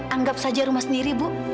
anggap saja rumah sendiri bu